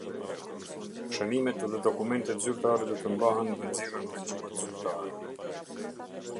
Shënimet dhe dokumentet zyrtare do të mbahen dhe nxirren në gjuhët zyrtare.